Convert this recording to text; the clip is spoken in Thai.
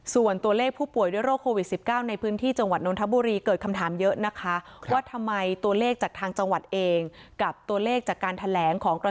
ส่วนตัวเลขผู้ป่วยด้วยโรคโควีด๑๙ในพื้นที่จังหวัดนทบุรีเกิดคำถามเยอะนะคะ